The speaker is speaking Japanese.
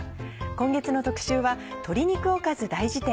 今月の特集は鶏肉おかず大事典。